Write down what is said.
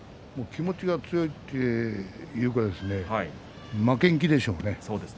気持ちが強いというか負けん気でしょうね。